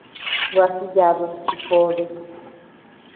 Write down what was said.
Gua jiyadus chi jobe.